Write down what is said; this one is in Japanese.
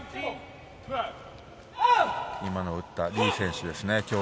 今のを打ったのは、リ選手ですね。